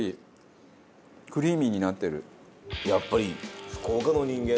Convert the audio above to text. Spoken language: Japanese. やっぱり。